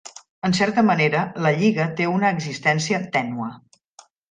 En certa manera, la lliga té una existència tènue.